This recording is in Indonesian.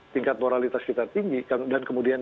tingkat moralitas kita tinggi dan kemudian